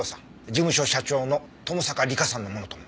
事務所社長の友坂梨香さんのものとも。